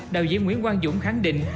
đạo diễn nguyễn quang dũng khẳng định